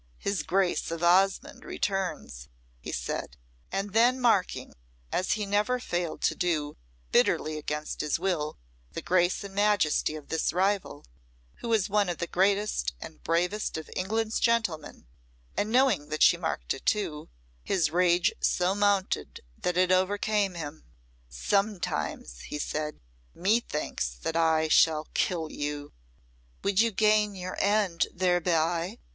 "His Grace of Osmonde returns," he said; and then marking, as he never failed to do, bitterly against his will, the grace and majesty of this rival, who was one of the greatest and bravest of England's gentlemen, and knowing that she marked it too, his rage so mounted that it overcame him. "Sometimes," he said, "methinks that I shall kill you!" "Would you gain your end thereby?"